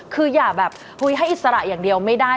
คืออย่าแบบคุยให้อิสระอย่างเดียวไม่ได้